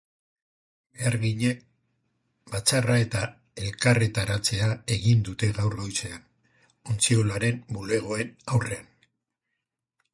Beharginek batzarra eta elkarretaratzea egin dute gaur goizean, ontziolaren bulegoen aurrean.